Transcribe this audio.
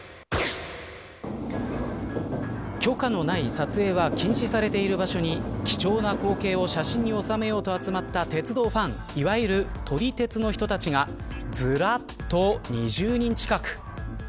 許可のない撮影は禁止されている場所に貴重な光景を写真に収めようと集まった鉄道ファンいわゆる撮り鉄の人たちがずらっと２０人近く。